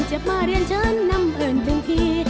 เจ็บมาเรียนเชิญนำเอิญถึงที